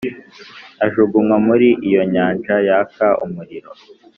ajugunywa muri iyo nyanja yaka umuriro.